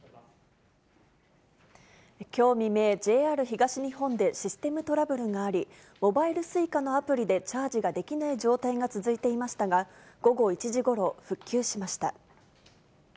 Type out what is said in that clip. きょう未明、ＪＲ東日本でシステムトラブルがあり、モバイルＳｕｉｃａのアプリでチャージができない状態が続いていましたが、午後１時ごろ、復旧しました。